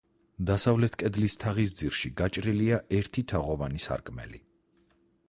დასავლეთ კედლის თაღის ძირში გაჭრილია ერთი თაღოვანი სარკმელი.